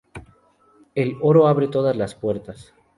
El oro abre todas las puertas